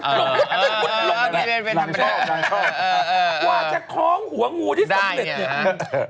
ว่าจะครองหัวงูที่สำเร็จ